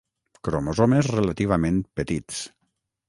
Cromosomes relativament "petits".